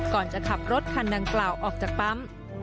ก่อนจะขับรถคันดังกล่าวออกจากปั๊ม